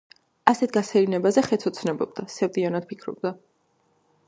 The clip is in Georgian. ასეთ გასეირნებაზე ხეც ოცნებობდა, სევდიანად ფიქრობდა: